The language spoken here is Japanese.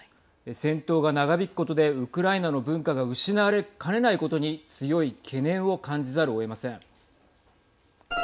戦闘が長引くことでウクライナの文化が失われかねないことに強い懸念を感じざるをえません。